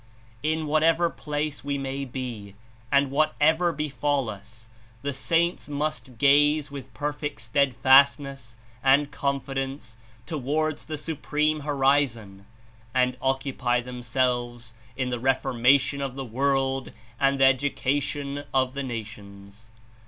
"In whatever place we may be and whatever befall us, the saints must gaze with perfect steadfastness and confidence towards the Supreme Horizon and occupy themselves In the reformation of the world and the education of the nations.